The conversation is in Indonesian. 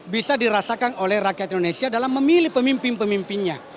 bisa dirasakan oleh rakyat indonesia dalam memilih pemimpin pemimpinnya